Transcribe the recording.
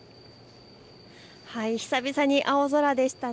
久々に青空でしたね。